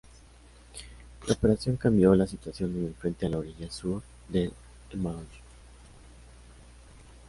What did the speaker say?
La operación cambió la situación en el frente a la orilla sur del Emajõgi.